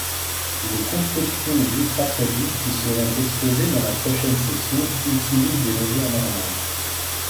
Les constructions d'ultraproduits qui seront exposées dans la prochaine section utilisent des mesures normales.